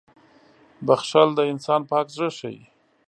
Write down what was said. • بښل د انسان پاک زړه ښيي.